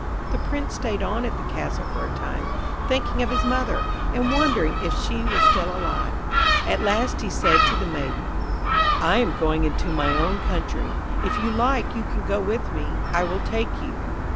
The Prince stayed on at the castle for a time, thinking of his mother, and wondering if she were still alive. At last he said to the Maiden, 'I am going into my own country. If you like you can go with me; I will take you.'